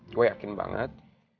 gue yakin banget